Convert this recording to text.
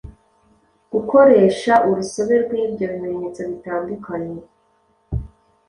Gukoresha urusobe rw’ibyo bimenyetso bitandukanye